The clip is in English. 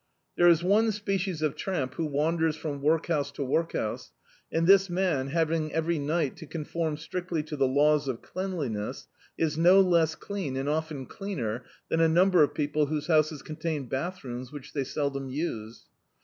There is one species of tramp who wan ders from workhouse tx> workhouse; and this man, having every ni^C to conform strictly to the laws of cleanliness, is no less clean, and often cleaner, than a number of pec^le whose houses contain bath rooms which they seldom use.